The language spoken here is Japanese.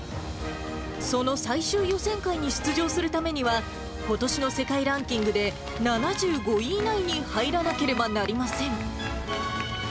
その最終予選会に出場するためには、ことしの世界ランキングで７５位以内に入らなければなりません。